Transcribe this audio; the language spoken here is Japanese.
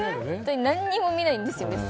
本当に何も見ないんですＳＮＳ。